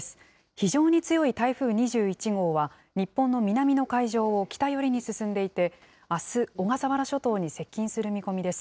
非常に強い台風２１号は日本の南の海上を北寄りに進んでいて、あす小笠原諸島に接近する見込みです。